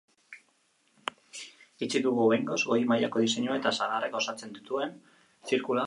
Itxi dugu behingoz, goi mailako diseinua eta sagarrek osatzen dutuen zirkulua misteriotsua.